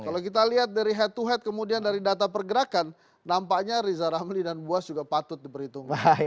kalau kita lihat dari head to head kemudian dari data pergerakan nampaknya riza ramli dan buas juga patut diperhitungkan